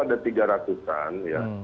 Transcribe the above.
ada tiga ratusan